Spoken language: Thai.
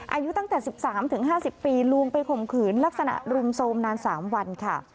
อายุตั้งแต่๑๓๕๐ปีลวงไปข่มขืนลักษณะรุมโทรมนาน๓วันค่ะ